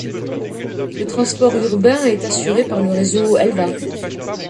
Le transport urbain est assuré par le réseau L'va.